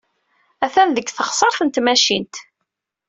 Atan deg teɣsert n tmacint.